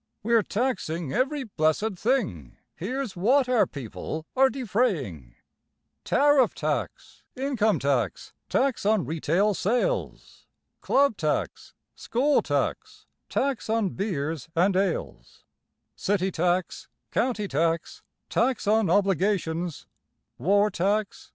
Were taxing every blessed thing Heres what our people are defraying: Tariff tax, income tax, Tax on retail sales, Club tax, school tax, Tax on beers and ales, City tax, county tax, Tax on obligations, War tax.